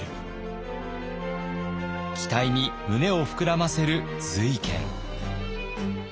期待に胸を膨らませる瑞賢。